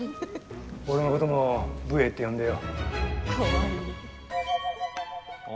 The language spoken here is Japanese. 俺のことも武衛って呼んでよ。